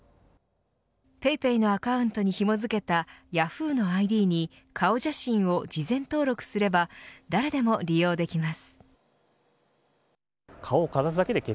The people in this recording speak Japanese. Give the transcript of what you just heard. ＰａｙＰａｙのアカウントにひも付けたヤフーのＩＤに顔写真を事前登録すれば誰でも利用できます。